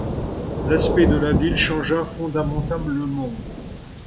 L'aspect de la ville changea fondamentalement.